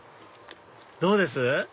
どうです？